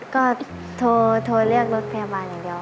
ก็โทรเลือกรถพยาบาลอ้องตัวเหลือ